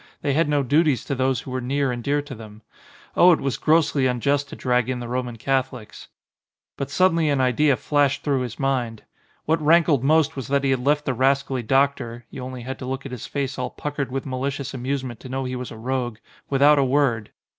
They had no duties to those who were near and dear to them. Oh, it was grossly unjust to drag in the Roman Catholics. But suddenly an idea flashed through his mind. What rankled most was that he had left the ras cally doctor (you only had to look at his face all puckered with malicious amusement to know he was a rogue) without a word.